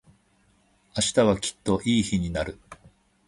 明日はきっといい日になる。